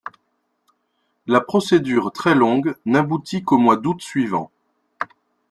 La procédure très longue n'aboutit qu'au mois d'août suivant.